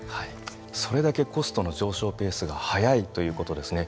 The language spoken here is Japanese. それだけコストの上昇ペースが早いということですね。